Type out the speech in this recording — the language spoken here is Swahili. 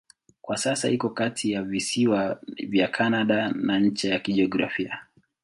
Kwa sasa iko kati ya visiwa vya Kanada na ncha ya kijiografia.